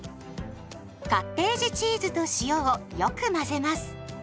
カッテージチーズと塩をよく混ぜます。